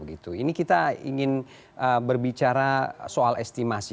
ini kita ingin berbicara soal estimasi